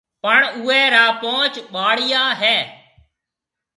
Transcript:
پڻ اُوئي را پونچ ٻاݪيا هيَ۔